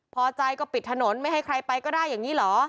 พอใจก็ปิดถนนไม่ให้ใครไปก็ได้อย่างนี้เหรอ